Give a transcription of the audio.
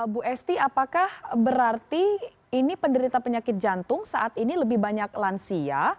bu esti apakah berarti ini penderita penyakit jantung saat ini lebih banyak lansia